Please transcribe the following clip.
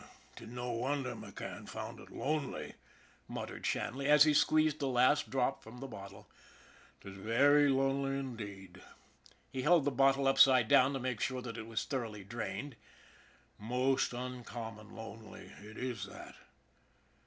" 'Tis no wonder McCann found it lonely/' muttered Shanley, as he squeezed the last drop from the bottle. 1 'Tis very lonely, indeed " he held the bottle upside down to make sure that it was thoroughly drained "most uncommon lonely. It is that.